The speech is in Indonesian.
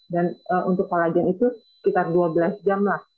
dan untuk kolagen itu sekitar dua belas jam